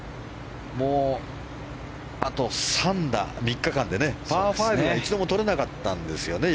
あと３打、３日間でパー５が一度もとれなかったんですよね